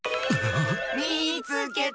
みつけた！